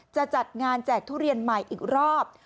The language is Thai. จะจัดงานแจกทุเรียนใหม่อีกรอบ